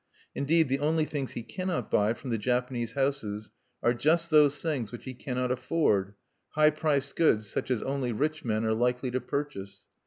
Indeed, the only things he cannot buy from the Japanese houses are just those things which he cannot afford, high priced goods such as only rich men are likely to purchase.